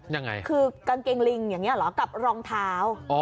ยังไงคือกางเกงลิงอย่างนี้เหรอกับรองเท้า